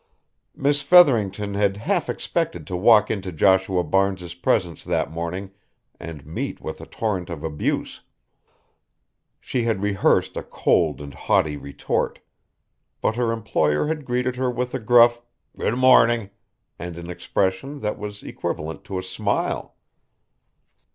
Miss Featherington had half expected to walk into Joshua Barnes's presence that morning and meet with a torrent of abuse. She had rehearsed a cold and haughty retort. But her employer had greeted her with a gruff, "Good morning," and an expression that was equivalent to a smile.